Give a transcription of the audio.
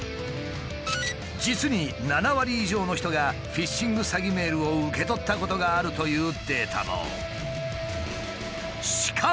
実に７割以上の人がフィッシング詐欺メールを受け取ったことがあるというデータも。